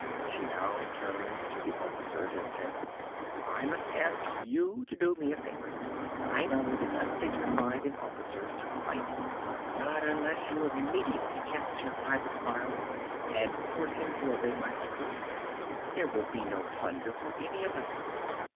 She now turned to the officers and said: "I must ask you to do me a favor. I know it is undignified in officers to fight, but unless you immediately capture Private Files and force him to obey my orders there will be no plunder for any of us.